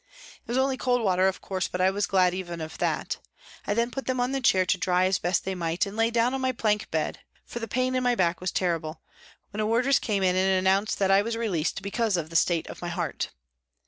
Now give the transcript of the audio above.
It was only cold water, of course, but I was glad of even that. I then put them on the chair to dry as best they might, and lay down on my plank bed, for the pain in my back was terrible, when a wardress came in and announced that I was released, because of the state of my heart